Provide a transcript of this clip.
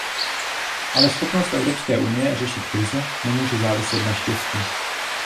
Ale schopnost Evropské unie řešit krize nemůže záviset na štěstí.